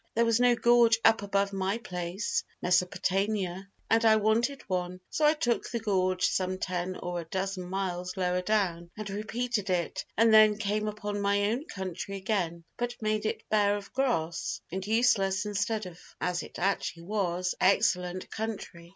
There was no gorge up above my place [Mesopotamia] and I wanted one, so I took the gorge some 10 or a dozen miles lower down and repeated it and then came upon my own country again, but made it bare of grass and useless instead of (as it actually was) excellent country.